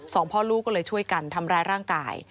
สองพ่อลูกก็เลยช่วยกันทำร้ายร่างกาย